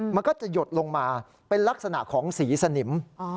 มันก็จะหยดลงมาเป็นลักษณะของสีสนิม